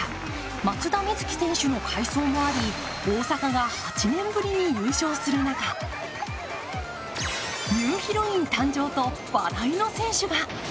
松田瑞生選手の快走もあり大阪が８年ぶりに優勝する中、ニューヒロイン誕生と話題の選手が。